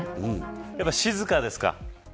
やっぱり静かですか。